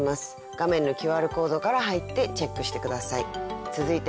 画面のＱＲコードから入ってチェックして下さい。